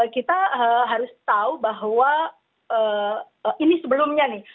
kita harus tahu bahwa ini sebelumnya nih